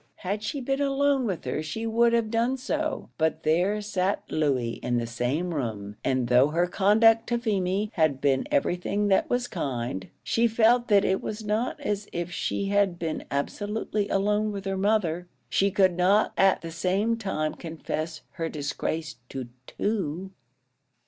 Had she been alone with her she would have done so; but there sat Louey in the same room, and though her conduct to Feemy had been everything that was kind, she felt that it was not as if she had been absolutely alone with her mother. She could not at the same time confess her disgrace to two.